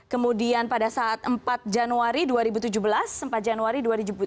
kemudian pada saat empat januari dua ribu tujuh belas